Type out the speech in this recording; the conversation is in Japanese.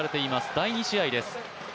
第２試合です。